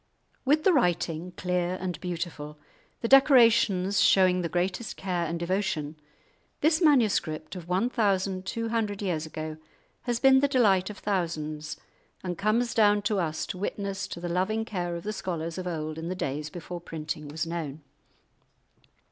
With the writing clear and beautiful, the decorations showing the greatest care and devotion, this manuscript of one thousand two hundred years ago has been the delight of thousands, and comes down to us to witness to the loving care of the scholars of old in the days before printing was known.